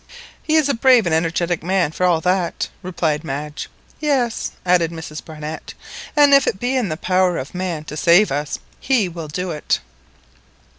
"He is a brave, energetic man, for all that," replied Madge. "Yes," added Mrs Barnett, "and if it be in the power of man to save us, he will do it."